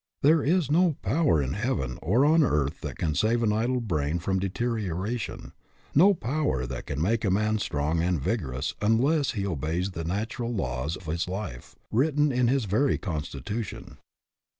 There is no power in heaven or on earth that can save an idle brain from deterioration, no power that can make a man strong and vigorous unless he obeys the natural laws of his life, written in his very constitution.